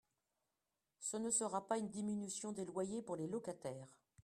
Ce ne sera pas une diminution des loyers pour les locataires